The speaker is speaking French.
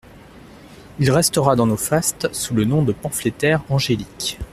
Il restera dans nos fastes sous le nom de pamphlétaire angélique …